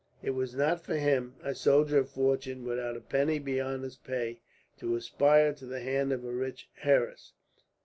It was not for him, a soldier of fortune, without a penny beyond his pay, to aspire to the hand of a rich heiress.